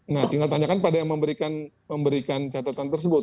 nah tinggal tanyakan pada yang memberikan catatan tersebut